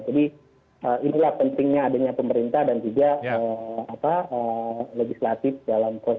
jadi inilah pentingnya adanya pemerintah dan juga legislatif dalam kursus